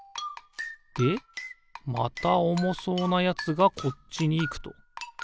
でまたおもそうなやつがこっちにいくと。